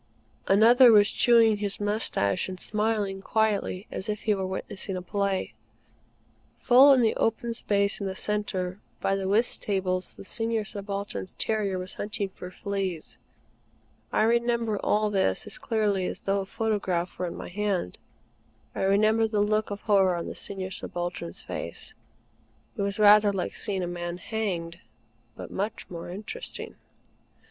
Another was chewing his moustache and smiling quietly as if he were witnessing a play. Full in the open space in the centre, by the whist tables, the Senior Subaltern's terrier was hunting for fleas. I remember all this as clearly as though a photograph were in my hand. I remember the look of horror on the Senior Subaltern's face. It was rather like seeing a man hanged; but much more interesting.